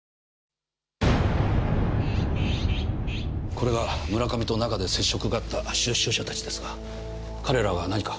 これが村上と中で接触があった出所者たちですが彼らが何か？